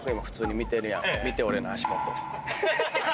見て俺の足元。